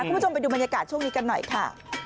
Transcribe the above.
คุณผู้ชมไปดูบรรยากาศช่วงนี้กันหน่อยค่ะ